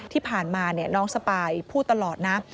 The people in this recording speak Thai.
ที่ผ่านมาน้องสปายพูดตลอดนะ